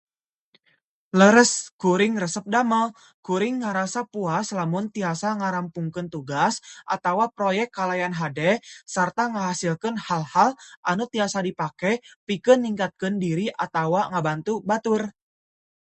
Leres, kuring resep damel. Kuring ngarasa puas lamun tiasa ngarampungkeun tugas atawa proyek kalayan hade sarta ngahasilkeun hal-hal anu tiasa dipake pikeun ningkatkeun diri atawa ngabantu batur.